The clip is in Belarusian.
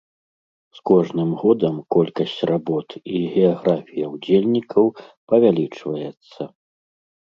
З кожным годам колькасць работ і геаграфія ўдзельнікаў павялічваецца.